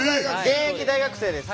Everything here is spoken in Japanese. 現役大学生です。